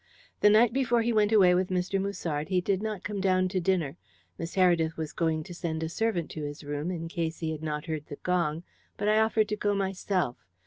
The night before he went away with Mr. Musard he did not come down to dinner. Miss Heredith was going to send a servant to his room in case he had not heard the gong, but I offered to go myself.